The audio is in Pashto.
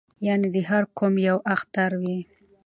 یعنې د هر قوم یو اختر وي